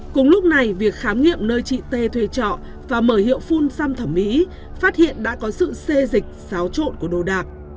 cùng lúc này việc khám nghiệm nơi chị t thuê trọ và mở hiệu phun xăm thẩm mỹ phát hiện đã có sự xê dịch xáo trộn của đồ đạc